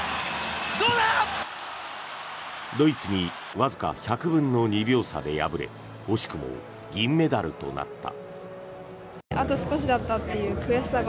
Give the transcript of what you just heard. ドイツにわずか１００分の２秒差で敗れ惜しくも銀メダルとなった。